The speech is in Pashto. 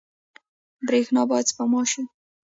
برښنا باید سپما شي